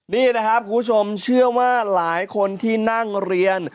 นี่นะครับคุณผู้ชมเชื่อว่าหลายคนที่นั่งเรียน